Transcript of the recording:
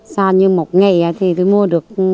so như một ngày thì tôi mua được